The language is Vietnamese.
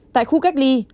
tại khu cách ly